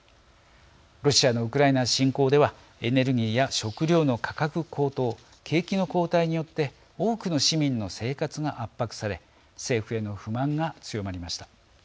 ロシアのウクライナ侵攻ではエネルギーや食料の価格高騰景気の後退によって多くの市民の生活が圧迫され政府への不満が強まりました。